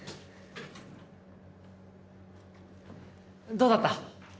どうだった？